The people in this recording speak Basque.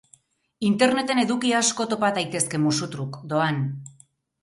Interneten eduki asko topa daitezke musu-truk, doan.